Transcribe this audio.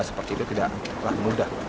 seperti itu tidaklah mudah